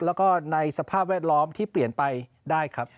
แล้วก็ในสภาพแวดล้อมที่เปลี่ยนไปได้ครับ